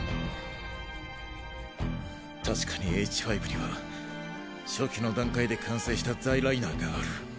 確かにＨ５には初期の段階で完成したザイライナーがある。